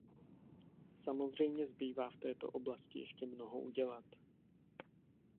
Samozřejmě zbývá v této oblasti ještě mnoho udělat.